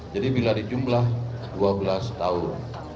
jadi bila di jumlah dua belas tahun